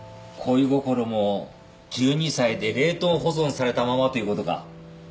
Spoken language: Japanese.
恋心も１２歳で冷凍保存されたままということか。